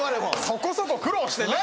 そこそこ苦労してね。